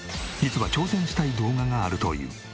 実は挑戦したい動画があるという。